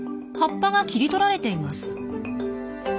葉っぱが切り取られています。